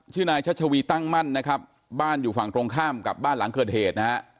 นายชัชวีตั้งมั่นนะครับบ้านอยู่ฝั่งตรงข้ามกับบ้านหลังเกิดเหตุนะฮะ